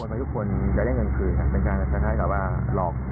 มันคือเป็นต้นทางขึ้นแถวหมดคือรอบ